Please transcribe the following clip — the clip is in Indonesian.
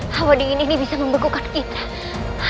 hawa dingin ini bisa membengkukkan kita